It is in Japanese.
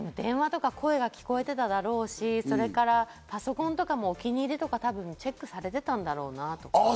電話とか声が聞こえてただろうし、パソコンとかもお気に入りとか多分チェックされてたんだろうなぁって。